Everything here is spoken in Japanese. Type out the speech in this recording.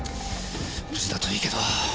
無事だといいけど。